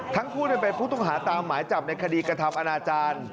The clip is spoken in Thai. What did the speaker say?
ทั้งคู่เป็นผู้ต้องหาตามหมายจับในคดีกระทำอนาจารย์